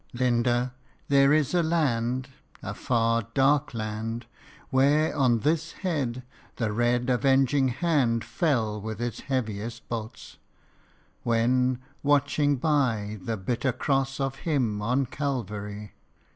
Linda, there is a land a far dark land, Where on this head the red avenging hand Fell with its heaviest bolts When watching by The bitter cross of Him of Calvary 10 THE UNDYING ONE.